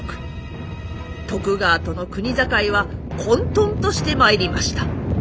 徳川との国境は混沌としてまいりました。